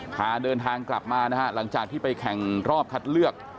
พาเดินทางกลับมานะฮะหลังจากที่ไปแข่งรอบคัดเลือก